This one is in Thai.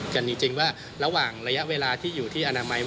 กันจริงว่าระหว่างระยะเวลาที่อยู่ที่อนามัย